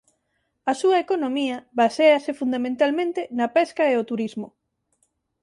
A súa economía baséase fundamentalmente na pesca e o turismo.